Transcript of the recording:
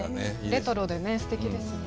レトロでねすてきですよね。